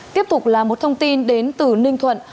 tiếp tục là một thông tin đến từ ninh thuận